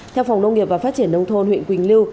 theo phòng nông nghiệp và phát triển nông thôn huyện quỳnh lưu